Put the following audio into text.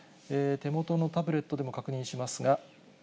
手元のタブレットでも確認しますが。